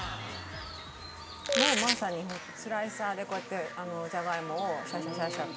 「もうまさに本当スライサーでこうやってジャガイモをシャッシャシャッシャと」